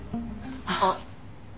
あっ！